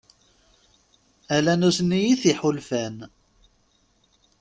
Ala nutni i t-iḥulfan.